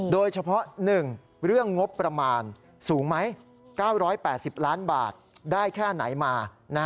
โดยเฉพาะ๑เรื่องงบประมาณสูงไหม๙๘๐ล้านบาทได้แค่ไหนมา